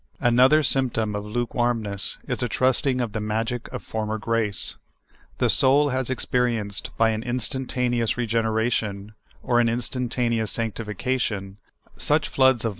Another sj mptom of lukewarmness is a trusting to the magic of former grace. The soul has experienced, by an instantaneous regeneration, or an instantaneous LUKKWARMNKSS. 29 sanctificatiou, such floods of.